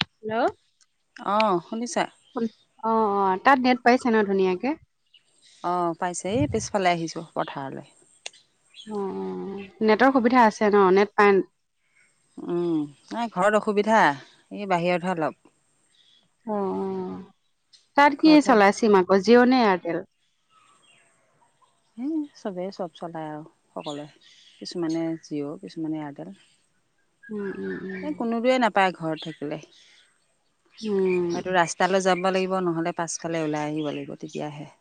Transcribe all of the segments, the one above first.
Hello? অ' শুনিছা? শুন- অ', অ', তাত নেট পাইছে ন' ধুনীয়াকে? অ' পাইছে। এই পিছফালে আহিছোঁ পথাৰলে। অ' নেটৰ সুবিধা আছে ন'? নেট পাই উম, নাই ঘৰত অসুবিধা। এই বাহিৰতহে অলপ। অ'। তাত কি ঘৰতে চলে ছিম আক', জিয় নে এয়া ৰ্টেল? এই চবেই চব চলায় আৰু সকলোৱে। কিছুমানে জিয়', কিছুমানে এয়াৰ্টেল। উম - উম - উম। ঘৰত থাকিলে, উম, সেইটো ৰাস্তালে যাব লাগিব নহলে পাছফালে ওলাই আহিব লাগিব তেতিয়াহে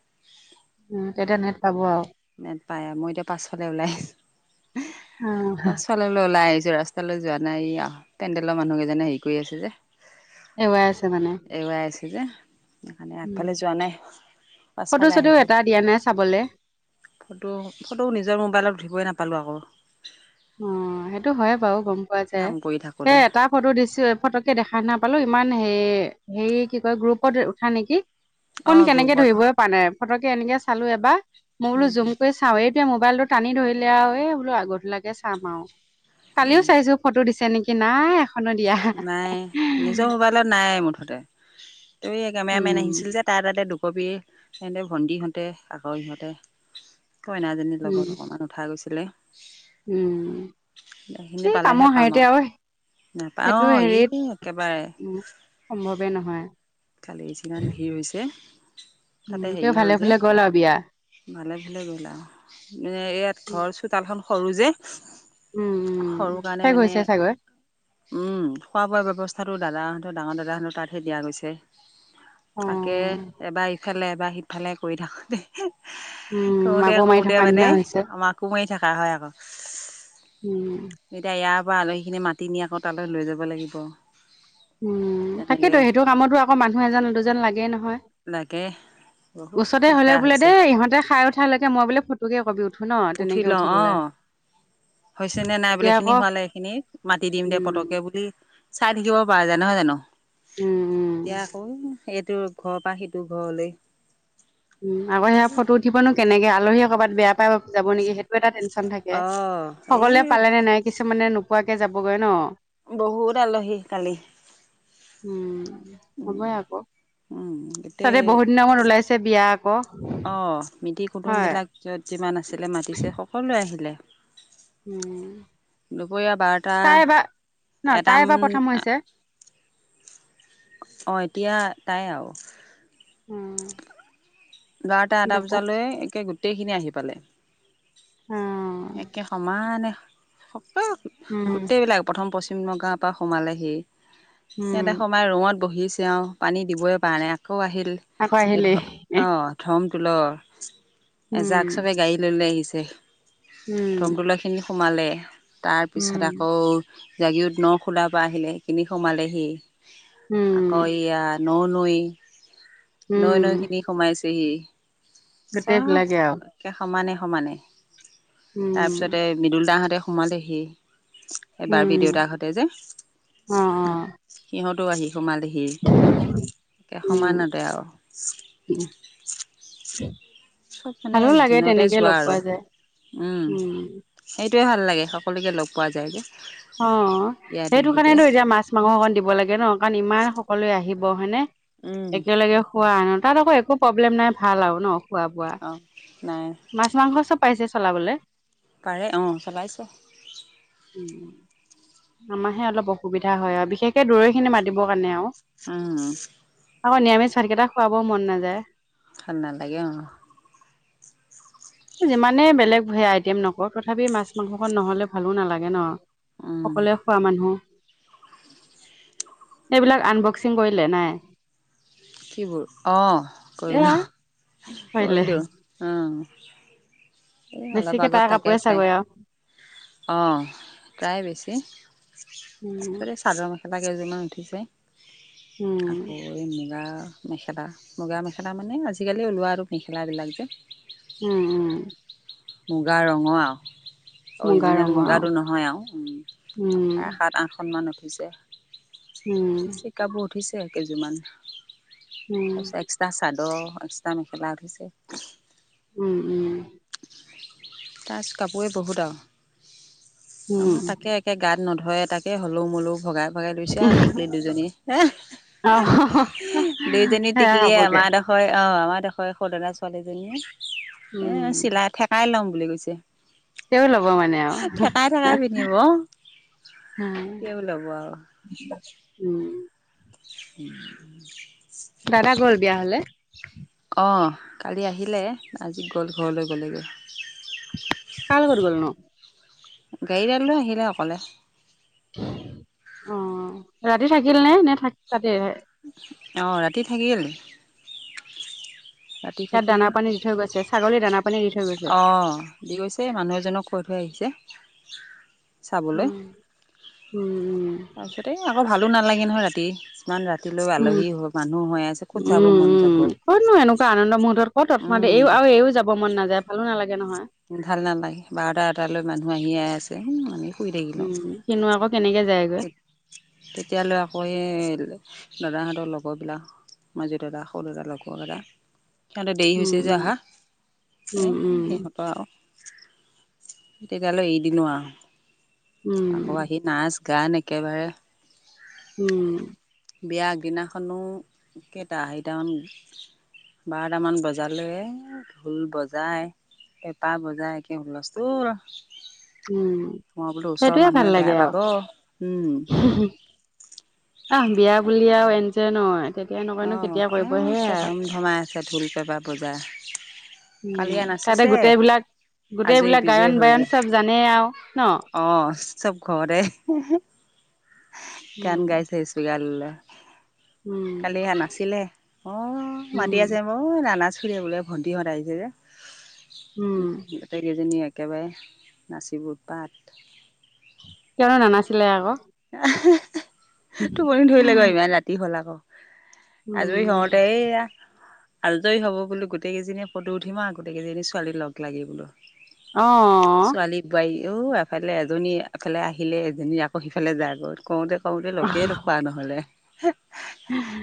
উম তেতিয়া নেট পাব আৰু নেট পায় মই এতিয়া পাছফালে ওলাই আহিছো অ', পাছফালে ওলাই আহিছো যোৱা ৰাস্তালৈ যোৱা নাই আহ পেণ্ডেলৰ মানুহ কেইজনে হেৰি কৰি আছে যে এৱাই আছে মানে এৰুৱাই আছে যে সেইকাৰণে উম আগফালে যোৱা নাই ফটো পাছফালে চটোও আহিছোঁ এটা দিয়া নাই চাবলে। ফটো ফটো নিজৰ মোবাইলত উঠিবই নাপালোঁ আকৌ অ সেইটো হয় বাৰু গম পোৱা যায় কাম কৰি এ থাকোঁতে এটা ফটো দিছো এই ফটোকে দেখা নাপালো। ইমান হে- হেৰি কি কয়, গ্ৰুপত উঠা নেকি? কোন অঁ কেনেকে গ্ৰুপত ধৰিবই পাৱা যায়। ফটককে এনেকে চালোঁ এবাৰ। মই বোলো জুম উম কৰি চাওঁ। এইটোয়ে ম মোবাইলটো টানি ধৰিলে আও। এই বোলো আগৰ তোলাকে চাম আও। কালিও চাইছোঁ ফটো দিছে নে কি নাই এখনো দিয়া নাই, নিজৰ মোবাইলত নাই মুঠতে। এই কেমেৰামেন উম আহিছিল যে, তাৰ তাতে দুখ কবি, সেন্তে ভণ্টিহঁতে আকৌ ইহঁতে কইনাজনীৰ লগত উম অকমান উঠা গৈছিলে। উম, সেইখিনি এই পালেহে কামৰ পাম হাৰিতে আৰু নাপাওঁ সেইটো অঁ এই হেৰিত- একেবাৰে উম, সম্ভৱে নহয়। কালি যিমান ভিৰ হৈছে উম, তাতে হেৰি তেওঁ হ'ল ভালে - যে ভালে গ'ল আৰু বিয়া। ভালে - ভালে গ'ল আৰু। এ- ইয়াত উম ঘৰ চোতালখন সৰু যে উম সৰু কাৰণে শেষ মানে হৈছে চাগৈ উম খোৱা বোৱাৰ ব্যৱস্থাটো দাদা ডাঙৰ দাদাহেনো তাতহে দিয়া গৈছে। অ তাকে এবাৰ ইফালে এবাৰ সিফালে কৰি থাকো দে উম কওঁতে আকৌ মাৰি কওঁতে থকা নিচিনা মানে হৈছে মাকো মাৰি থকা হয় আকৌ উম। তাৰ পৰা আলহী খিনি মাতি নি আকৌ তালৈ লৈ যাব লাগিব। উম তেনেকে তাকেতো সেইটো কামতো আকৌ মানুহ এজন দুজন লাগেই নহয়। লাগে বহুত ওচৰতে হলে দিগদাৰ বোলে হৈছে দেই ইহঁতে খাই উঠালৈকে মই বোলে ফটোকে একপি উ উঠিলওঁ অ। হৈছে নে নাই বোলে এতিয়া এইখিনি আকৌ হোৱালে সেইখিনি মাতি দিম দে উম পতকে বুলি চাই থাকিব পাৰে যে নহয় জানো উম উম এতিয়া আকৌ এইটো ঘৰৰ পৰা সেইটো ঘৰলৈ। উম আকৌ সেয়া ফটো উঠিব নো কেনেকে আলহীয়ে কৰ'বাত বেয়া পাব যাব নেকি সেই এটা টেনশ্যন থাকে অ এই সকলোৱে পালে নে নাই কিছুমানে নোপোৱাকে যাবগৈ ন। বহুত আলহী কালি। উম হ'বই আকৌ উম গোটেই তাতে বহুত দিনৰ ওলাইছে বি অ মিতিৰ কুটুম হয় বিলাক যত যিমান আছিলে মাতিছে সকলোৱে আহিলে। উম দুপৰীয়া বাৰটা তাই বা নতাই এটামান এবাৰ প্ৰথম হৈছে। অঁ এতিয়া তাই আৰু উম বাৰটা এটা দুপু বজালৈ একে গোটেইখিনি আহি পালে। অ একে সমানে উম গোটেইবিলাক প্ৰথম পশ্চিম নগাঁৱৰ পৰা সোমালেহি। উম সিহঁতে সোমাই ৰুমত বহিছে অ পানী দিবই পৰা নাই আকৌ আকৌ আহিল আকৌ সেই আহিলেই অঁ ধমতোল উম এজাক চবে গাড়ী লৈ লৈ আহিছে উম ধমতলা খিনি সোমালে। তাৰপিছত উম আকৌ জাগিৰদত ন খোলাৰ পৰা আহিলে সেইখিনি সোমালেহি। আকৌ উম, এয়া ন নৈ নৈ উম, নৈ খিনি। পাইছেহি গোটেই চব বিলাকে আৰু একে সমানে সমানে উম, তাৰপিছতে মৃদুল দাহঁতে সোমালেহি এবাৰ বি উম, দেউতাকহঁতে যে। অ', অ', সিহঁতো আহি সোমালেহি। একে সমানতে আৰু- উ চব মানে দিনতে যোৱা আৰু যায় উম সেই। সেইটোৱে ভাল লাগে সকলোকে লগ পোৱা যায়গৈ। অ সেইটো কাৰণেতো এতিয়া মাছ মাংস অকণ দিব লাগে ন কাৰণ ইমান সকলোৱে আহিব। হয়নে একেলগে খোৱা আনো তাত আকৌ একো প্ৰব্লেম নাই ভাল আৰু ন খোৱা বোৱা আহ মাছ মাংস চব পাইছে চলাবলৈ। পাৰে অঁ চলাইছে আমাৰাহে অলপ অসুবিধা হয় আৰু বিশেষকে দূৰৈ খিনি মাতিবৰ কাৰণে আৰু আহ আকৌ নিৰামিষ ভাতকেইটা খোৱাবও মন নাযায় স নালাগে অ যিমানে বেলেগ আইটেম নকৰো তথাপি মাছ মাংসখন নহলে ভালো নালাগে ন উম সকলোৱে খোৱা মানুহ এইবিলাক আনবক্সিং কৰিলে নাই কিবোৰ অঁ এয়া কৰিলোঁ কৰিলে কৰিলো অ এই অলপ বেছিকে আগত তাৰ থাকে কাপোৰে চাই চাগৈ আৰু অ প্ৰায় বেছি উম তাৰপিছতে চাদৰ মেখেলা আটা কেজিমান উঠিছে উম আকৌ এনেকুৱা মেখেলা মুগা মেখেলা মানে আজিকালি ওলোৱা আৰু মেখেলা বিলাক যে উম উম মুগা ৰঙা মুগা অৰিজিনেল ৰঙৰ অ মুগাটো নহয় আৰুাৰে উম সাত আঠখনমান উঠিছে। উম চিকাবোৰ উঠিছে কেইযোৰমান উম তাৰপিছত এক্সট্ৰা চাৰ্ ত এক্সট্ৰাাম খেলা ধিছে। উম উম। তাৰপিছত কাপোৰে বহুত আৰু উম আমাৰ তাকে একে গাত- ত নধৰে এ তাকে হলেও মলু ভগাই ভগাই লৈছে আৰু টিকলি দুজনীয়ে আহ হ- দুইজনী সেয়া টিকলিয় কাপোৰকে আমাৰ ডোখৰ আহ আমাৰ ডোখৰ সদনা ছোৱালীজনীয়ে- এ উম চিলাই থঠেকাই লম বুলি কৈছে। তেওঁ ল'ব মানে আৰু থঠেকাই থেকাই পিন্ধিব- কেও লাব আৰু উম উম দাদা গ'ল বিয়া ঘৰলে? অঁ কালি আহিলে আজি গ'ল ঘৰলে গ'লেগৈ। কাৰ লগত গলনো? গাড়ীডালৈ আহিলে অকলে অ ৰাতি থাকিল নে তাতে অ ৰাতি থাকি গল ৰাতি ইয়াত দানা পানী দি থৈ গৈছে ছাগলীৰ দানা, পানী দি থৈ গৈছে অঁ দি গৈছে মানুহ এজনক কৈ থৈ আহিছে চাবলৈ উম উম উ তাৰপিছতে এই আকৌ ভালো নালাগে নহয় ৰাতি কিমান ৰাতিলৈ উম, আলহী হৈ মানুহ হৈ আছে উম, ক'ত যাব উম, মন যাব ক' তত ম এইও আৰু উম এইও যাব মন নাযায় ভালো নালাগে নহয় ভাল নালাগে বাৰটা এটালৈ মানুহ আহি আছে হম মানে। উম সনো আকৌ কেনেকে যায়গৈ। তেতিয়ালৈ আকৌ স দাদাহঁতৰ লগৰবিলাক মাজে দাদা সৰু দাদা লগৰ দাদা। সিহঁতে দেৰি উম, হৈছে যে অহা উম, এই উম, সিহঁতৰ আৰু তেতিয়াললে এদিনো আৰু উম, আকৌ উম, আহি নাই গান একেবাৰে। উম। বিয়া আগ দিনাখনো কেইটা সেইটামান। বাৰটামান বজালে ধুল বজায়। পেপাৰ বজাৰ একে হুলস্থূল। উম, মই বোলো ওচৰৰ সেইটোয়ে ভাল মানুহে বেয়া লাগে আৰু। পাব উম। আহ বিয়া বুলি আৰু এন যে নয়। তেতিয়া অ নকয়নো কেতিয়া কৰিব সেয়াই তকে আৰু। ধম ধমাই আছে ঢোল পেপা বজাই। উম কালিয়া তাতে নাচিছে গোটেইবিলাক আজৰি গোটেইবিলাক গায়ন বায়ন চব জানেই আৰু। ন? অ চব ঘৰতে গান উম, গাইছে ইচপিকাৰ লৈ লৈ। উম, কালিহ নাছিলে অ মাতি উম, আছে মই নানাচো। চুৰি বলে ভন্টি হঁত আহিছে যে উম, গোটেইকেইজনী। একেবাৰে নাচিবিব পাত কিয়নো নানাছিলে আকৌ। টোপনি ধৰিলেক ইমান ৰাতি হ'ল আকৌ। আজৰি উম। হহওঁতে এইয়া। আৰি হ'ব বোলো গোেইকেইজনীয়ে ফটো উিম আৰু গোটেই কেইজনী ছোৱালী লগ লাগি বোলো। অ। এই এফালে এজনী এফালে আহিলে এজনী আকৌ সিফালে যায় গৈ কওঁতে। কওঁতে লগে নোখোৱা নহলে।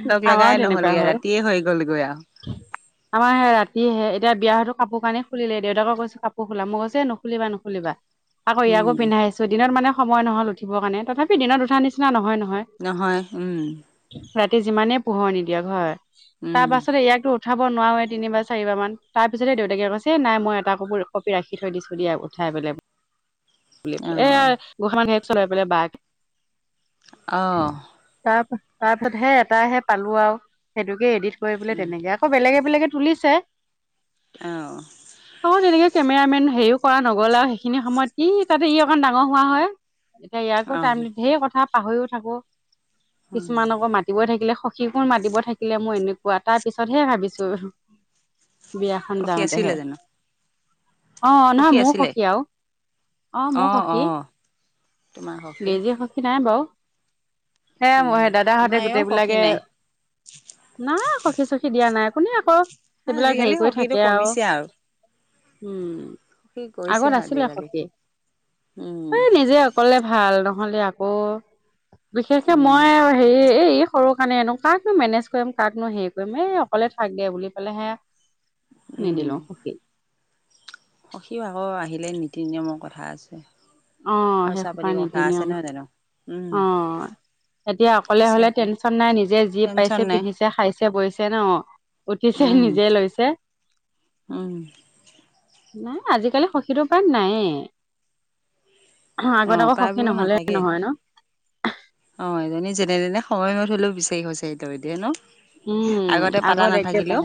লগ আমাৰো লগাই তেনেকুৱা নহলগে হ'ল ৰাতিয়ে হৈ গ'লগৈ আৰু আমাৰ সে ৰাতিয়হে এতিয়া। বিয়াাহতো কাপোৰ কানেই খুলিলে দেউতাক কৈছো কাপোৰ খোা মই কৈছে নুখুলিব নুুলিবা। আকৌ ইয়াকো উম পিন্ধাই আছো দিনত মানে সময় নহল উঠিব কাৰণেথাপি দিনত উঠা নিচিনা নহয় নহয়। নহয় উম। ৰাতি যিমানেই পোহৰ নিদিয়ক হয় তাৰ উম পাছতে ইয়াকতো। উঠাব নোৱাৰে তিব বা চাৰিব মান তাৰপিছতে দেউতাকে কৈছে নাই মই এটা কোৰ কপি ৰাখি থৈ দিছোঁ দিয়া উঠাই। চাই পেলাই অ এ গোসা মান হেত চলাই পেলাই বাঘ। অ তাৰ তাৰপিছত হে এট হে পালো আৰু সেইটোকে এডিত। কৰিলে উম তেনেকে আকৌ বেলেগে বেলেগে তুলিছে। আহঁ। অ তেনেকে কেমেৰামেন হেৰিও কৰা নগ'লে আৰু সেইখিনি সময়ত কি কাে ই অকণ ডাঙৰ হোৱা হয়। এতিয়া ইয়াকো অ টাইম ঢেৰ কথা পাহৰিও থাকো উম কিছুমান আকৌ মাতিবই থাকিলে। কি কোন মাতিব থাকিলে মই এনেকুৱা তাৰ পিছতহে ভাবিছো। বিয়াখন সখী আছিলে যাওঁতেহে। জানো অ নহয় মোৰ সখী আৰু অ মোৰ সখী তোমাৰ সখী বেজি সখী নাই বাৰু হে উম মইে দাদাহঁতে আমাৰ এও সখী গোটেইবলাকে নাই নাই সখী চখী দিয়া নাই। আপুনি আকৌ সেইবিলাক আজিকালি হেৰি কৰি সখীটো থাকে আৰু কমিছে উম। কি কৈছে আগত আছিলে আজিকালি। সখী উম এই নিজে অকলে ভাল নহলে আকৌ। বিশেষকে উম মই হেৰি এই। সৰু কাৰণে এনো কাকনো মেনেজ কৰিম কাকনো হেৰি কৰিম এই অকলে থাক দে বুলি পালে হে মেদিলৰ সখী। সখি ভাগৰ আহিলে নীতি নিয়মৰ কথা আছে। অ সেই খৰচা হুপা পাতি কথা নিতি আছে নিয়ম নহয় জানো উম অ এতিয়া অকলে আছে হলে আকৌ টেনচন নাই নিজে যি টেনচন পাইছে নাই পিন্ধিছে খাইছে বৈছে ন। উঠিছে উম নিজে লৈছে। উম। নাই আজিকালি সখীটো প্ৰায় নায়ে। অ আগতে অঁ আকৌ সখী প্ৰায়বোৰো নহলে নাথাকে নহয় ন। অঁ এজনী যেনে তেনে সময়ত হলেও বিচাৰি গৈছে [unintelligible] ত দিয়ে ন উম আগতে পাতা আগত একে বা নাথাকিলেও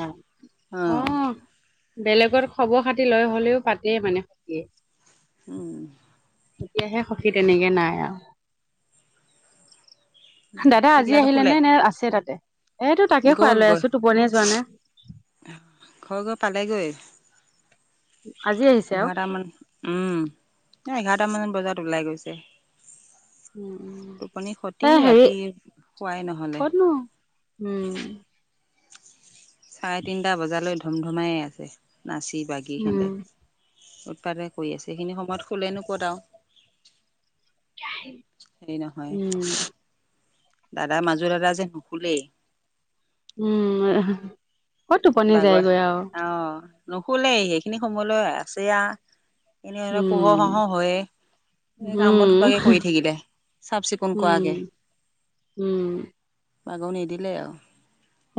অঁ উম বেলেগত খবৰ খাতি লৈ হলেও পাতেই মানে সখীয়ে উম। এতিয়াহে সখী তেনেকে নাই আৰু দাদা আজি টিকলাটো আহিলে শুলে নে নে আছে তাতে। এইটো তাকে খুৱাই গ'ল লৈ গৈ আছো টোপনিয়ে যোৱা নাই। ঘৰ ঘৰ পালেগৈ আজি আহিছে আৰু এঘাৰটা মান উম। এঘাৰটা মান বজাত ওলাই গৈছে। উম টোপনি খতি এ হেৰি ৰাতি শুৱাই নহ'লে ক'তনো উম চাৰে তিনিটা বজালৈ ধুমধুমাই আছে নাচি বাগি হেঁতে উম উৎপাদে কৰি আছে সেইখিনি সময়ত শুলে নো কত আও উম দাদা মাজো দাদা যে নুশুলেই। উম ক'ত টোপনি বাগৰ যায়গৈ আৰু। অঁ নুশুলেই সেইখিনি সময়লৈ আছে আ পোহৰ উম হওঁ হওঁ হয়ে এই কাম বন উম থোপাকে কৰি থাকিলে চাফ চিকুণ উম কৰাকে উম। বাগৰ নিদিলে আৰু।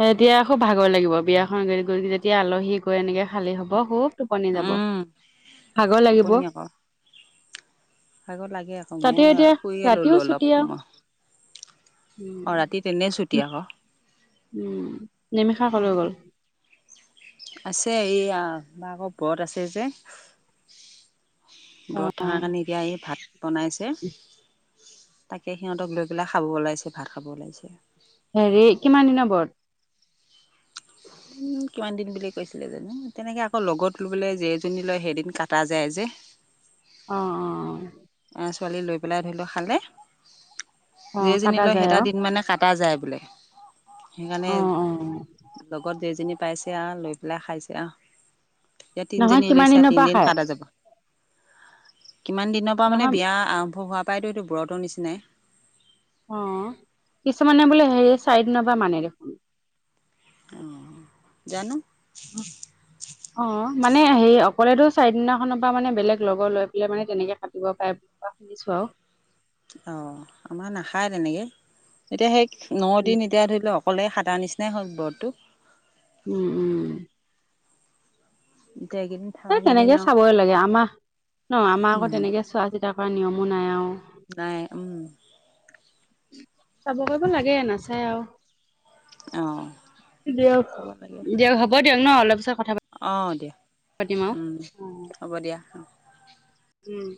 এতিয়া খুব ভাগৰ লাগিব বিয়াখন যেতিয়া আলহী গৈ এনেকে খালী হব খুব টোপনি যাব, উম ভাগৰ লাগিব। টোপনি আকৌ লাগে আকৌ মই তাতে এতিয়া শুইয়ে ৰাতিও ল'লোঁ অলপ ছুটি আৰু সময় অ ৰাতি উম তেনে ছুটি আকৌ। উম নিমিষা কলৈ গ'ল আছে এইয়া আকৌ ব্ৰত আছে যে অ ব্ৰত থকাৰ কাৰণে এতিয়া এই ভাত বনাইছে তাকে সিহঁতক লৈ পেলাই খাব ওলাইছে ভাত খাব ওলাইছে। হেৰি কিমান দিনৰ বৰত [inaudible] উম কিমান দিন বুলি কৈছিলে জানো তেনেকে আকৌ লগত লবলে যেই এজনী লয় সেইদিন কাটা যায় যে অ অ এ ছোৱালী লৈ পেলাই ধৰি ল খালে অ অ যেইজনী কাটা ল যায় সেইটা আৰু দিন মানে কাট টা যায় বোলে সেইকাৰণে অ অ লগত যেইজনী পাইছে আৰু লৈ পেলাই খাইছে আৰু এতিয়া নহয় তিনজনী কিমান লৈছে দিনৰ পৰা তিনদিন খাই কাটা যাব কিমান পা মানে নহয় বিয়া আৰম্ভ হোৱাৰ পাই এইটো ব্ৰতৰ নিচিনাই। অ কিছুমানে বোলে হেৰি চাইড দিনৰ মানে দেখোন। অ জানো অ মানে হে অকলেতো চাৰিদিনাখনৰ পৰা মানে বেলেগ লগৰ লৈ পেলাই মানে তেনেকে কাটিব পাৰে বুলি কোৱা শুনিছো আৰু। অ আমাৰ নাখায় তেনেকে এতিয়া সেই ন উম দিন এতিয়া ধৰি লওঁক অকলে খাতা নিচিনাই হ'য় ব্ৰতটো। উম উম। এতিয়া এইকেইদিন থাকা এই কেইদিন তেনেকে আৰু চাবই লাগে আমাক ন আমাৰ আকৌ তেনেকে চোৱা চিতা কৰা নিয়মো নাই আৰু। এই উম। চাব কৰিব লাগে নাচায় আৰু। অ দিয়ক চাব লাগে দিয়ক হ'ব দিয়ক ন অলপ পিছত কথা অ দিয়া পাতিম আৰু উম হ'ব দিয়া। উম।